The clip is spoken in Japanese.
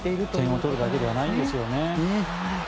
点を取るだけではないんですよね。